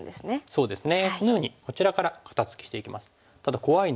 そうですね。